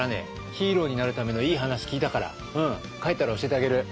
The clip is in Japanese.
ヒーローになるためのいい話聞いたから帰ったら教えてあげる。